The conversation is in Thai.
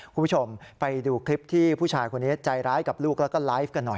คุณผู้ชมไปดูคลิปที่ผู้ชายคนนี้ใจร้ายกับลูกแล้วก็ไลฟ์กันหน่อย